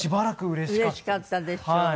うれしかったでしょう。